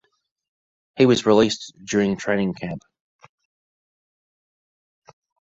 He was released during training camp.